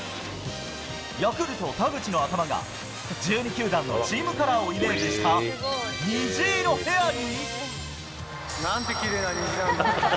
ヤクルト、田口の頭が、１２球団のチームカラーをイメージした虹色ヘアに。なんてきれいな虹なんだ。